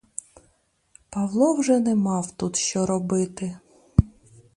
Павло вже не мав тут що робити.